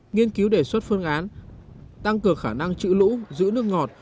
nghiên cứu đề xuất phương án tăng cường khả năng chữ lũ giữ nước ngọt